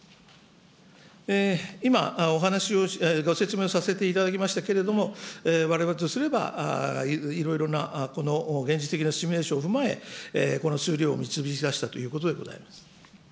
今、お話を、ご説明をさせていただきましたけれども、われわれとすれば、いろいろなこの現実的なシミュレーションを踏まえ、この数量を導き出したということでございます。